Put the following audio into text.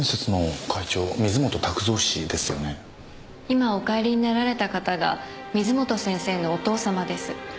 今お帰りになられた方が水元先生のお父様です。